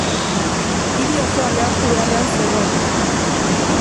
Hiri osoa lehertu beharrean zegoen.